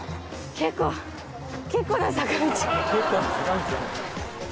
結構な坂道だね。